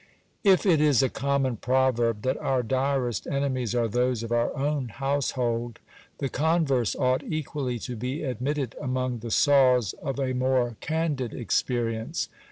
I? it is a common proverb that our direst enemies are those of our own house h aid, the converse ought equally to be admitted among the saws of a more can did experience.